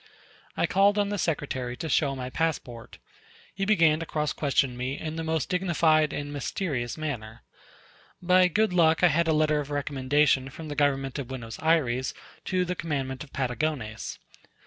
I called on the Secretary to show my passport. He began to cross question me in the most dignified and mysterious manner. By good luck I had a letter of recommendation from the government of Buenos Ayres to the commandant of Patagones.